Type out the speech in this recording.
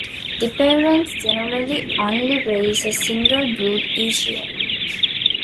The parents generally only raise a single brood each year.